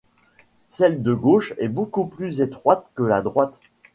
Celle de gauche est beaucoup plus étroite que la droite.